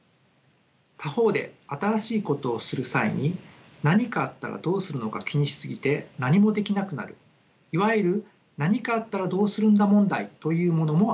他方で新しいことをする際に何かあったらどうするのか気にし過ぎて何もできなくなるいわゆる何かあったらどうするんだ問題というものもあります。